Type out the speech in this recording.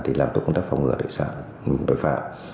thì làm tốt công tác phòng ngừa tội phạm